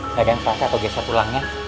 nggak ada yang terasa atau geser tulangnya